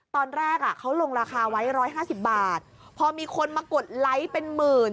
ตอนแรกอ่ะเขาลงราคาไว้๑๕๐บาทพอมีคนมากดไลค์เป็นหมื่น